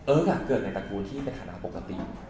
เอิ้งอยากเกิดในตระกูลที่เป็นฐานะปกติ